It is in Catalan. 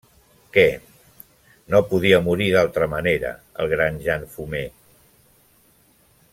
Que… no podia morir d'altra manera el gran Jan-Fume…